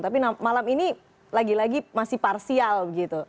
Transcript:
tapi malam ini lagi lagi masih parsial begitu